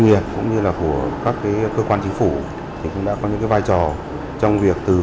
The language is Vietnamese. nghiệp cũng như là của các cái cơ quan chỉ huy thì cũng đã có những cái vai trò trong việc từ